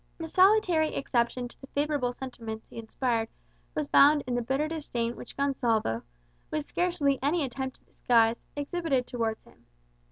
The solitary exception to the favourable sentiments he inspired was found in the bitter disdain which Gonsalvo, with scarcely any attempt at disguise, exhibited towards him.